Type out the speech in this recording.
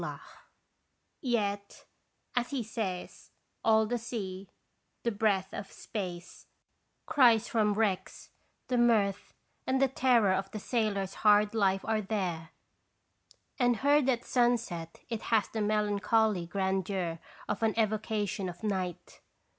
148 21 Gracious Visitation yet, as he says, all the sea, the breath of space, cries from wrecks, the mirth and the terror of the sailor's hard life are there, and heard at sunset it has the melancholy grandeur of an evocation of Night.